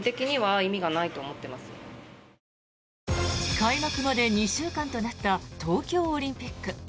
開幕まで２週間となった東京オリンピック。